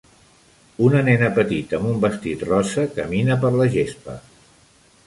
Una nena petita amb un vestit rosa camina per la gespa.